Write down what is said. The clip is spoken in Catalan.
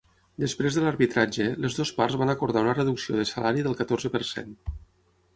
Després de l'arbitratge, les dues parts van acordar una reducció de salari del catorze per cent.